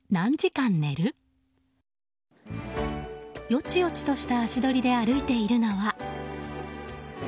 よちよちとした足取りで歩いているのは。